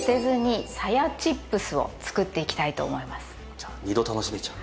じゃあ二度楽しめちゃう。